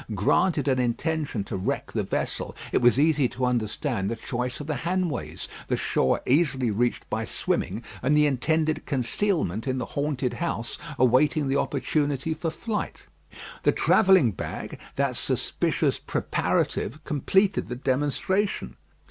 Granted an intention to wreck the vessel, it was easy to understand the choice of the Hanways, the shore easily reached by swimming, and the intended concealment in the haunted house awaiting the opportunity for flight. The travelling bag, that suspicious preparative, completed the demonstration.